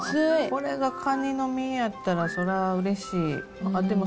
これがカニの身やったら、そりゃうれしい。